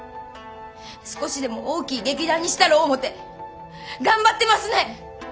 少しでも大きい劇団にしたろ思うて頑張ってますねん！